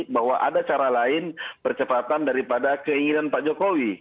bahwa ada cara lain percepatan daripada keinginan pak jokowi